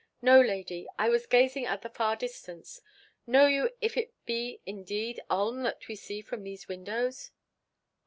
"No, lady; I was gazing at the far distance. Know you if it be indeed Ulm that we see from these windows?"